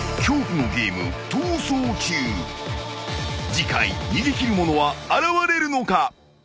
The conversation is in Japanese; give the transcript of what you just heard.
［次回逃げ切る者は現れるのか？］